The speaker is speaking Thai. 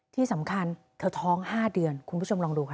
ที่สำคัญเธอท้อง๕เดือนคุณผู้ชมลองดูค่ะ